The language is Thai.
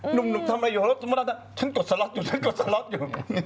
หนุ่มหนุ่มทำอะไรอยู่ฉันกดสล็อตอยู่ฉันกดสล็อตอยู่